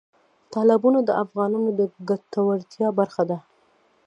تالابونه د افغانانو د ګټورتیا برخه ده.